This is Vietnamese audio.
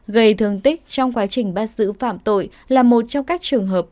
gây thương tích trong quá trình bắt giữ phạm tội là một trong các trường hợp